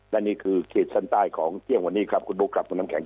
นั่นนี่คือเขตสั้นใต้ของเที่ยงวันนี้ครับคุณบุ๊คคุณน้ำแข็ง